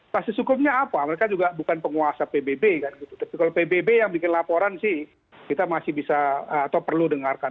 basis hukumnya apa mereka juga bukan penguasa pbb kan gitu tapi kalau pbb yang bikin laporan sih kita masih bisa atau perlu dengarkan